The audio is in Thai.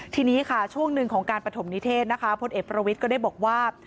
ทีนี้ค่ะช่วงหนึ่งของการปฐมนิเทศนะคะพลเอกประวิทย์ก็ได้บอกว่า